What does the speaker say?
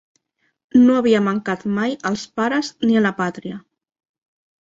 No havia mancat mai als pares ni a la pàtria.